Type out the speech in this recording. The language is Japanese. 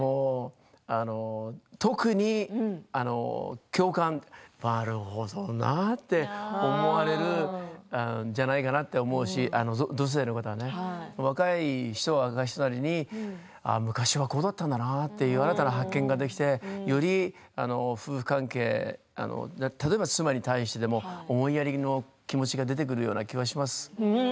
特に共感、なるほどなって思われるじゃないかなと思うし女性の方ね若い人は若い人なりに昔はこうだったんだなと言われたら新たな発見ができてより夫婦関係、例えば妻に対しても思いやりの気持ちが出てくるような気がします。